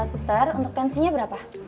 suster untuk tensinya berapa